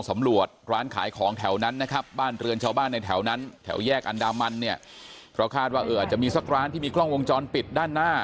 มันเนี้ยเพราะคาดว่าเอออาจจะมีสักร้านที่มีกล้องวงจรปิดด้านหน้า